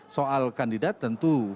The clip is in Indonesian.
soal kandidat tentu